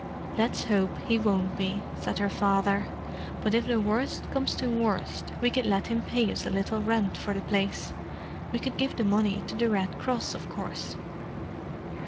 "Let's hope he won't be," said her father. "But if the worst comes to worst, we could let him pay us a little rent for the place—we could give the money to the Red Cross, of course."